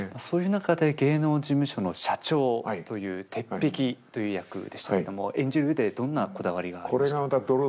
そういう中で芸能事務所の社長という鉄壁という役でしたけども演じる上でどんなこだわりがありましたか？